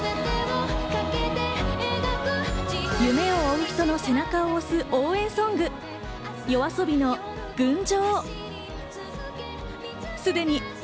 夢を追う人の背中を押す応援ソング、ＹＯＡＳＯＢＩの『群青』。